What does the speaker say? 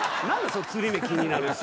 そのつり目気になるって。